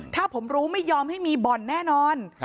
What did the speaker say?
ถ้าผมรู้ไม่ยอมให้มีบ่อนแน่นอน